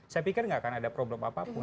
saya pikir tidak akan ada problem apa apa